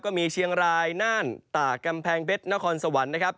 ก็มีเชียงรายน่านตากกำแพงเพชรนครสวรรค์นะครับ